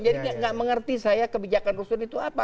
jadi enggak mengerti saya kebijakan rusun itu apa